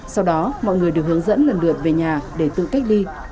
sau đó mọi người được hướng dẫn lần lượt về nhà để tự cách ly